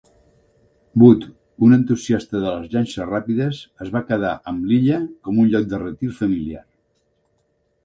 Wood, un entusiasta de les llanxes ràpides, es va quedar amb l'illa com un lloc de retir familiar.